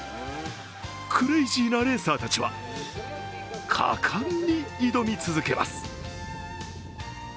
クレイジーなレーサーたちは果敢に挑み続けます。